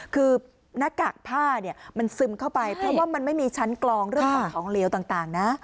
คือหน้ากากผ้าเนี่ยมันซึมเข้าไปเพราะว่ามันไม่มีชั้นกลองเรื่องของของเหลวต่างนะ